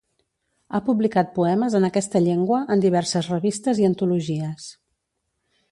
Ha publicat poemes en aquesta llengua en diverses revistes i antologies.